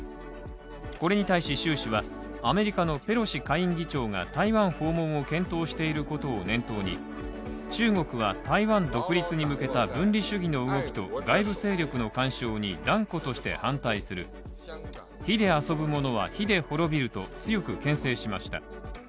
これに対し習氏はアメリカのペロシ下院議長が台湾訪問を検討していることを念頭に中国は台湾独立に向けた分離主義の動きと外部勢力の干渉に断固として反対する、火で遊ぶ者は火で滅びると強く牽制しました。